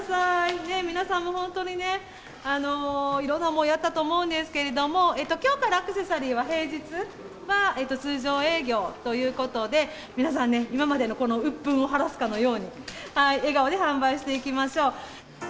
ね、皆さんも本当にね、いろんな思い、あったと思うんですけれども、きょうからアクセサリーは平日は通常営業ということで、皆さんね、今までのこのうっぷんを晴らすかのように、笑顔で販売していきましょう。